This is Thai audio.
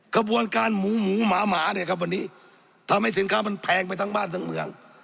กระบวนการหมูหมูหมาหมาเนี่ยครับวันนี้ทำให้สินค้ามันแพงไปทั้งบ้านทั้งเมือง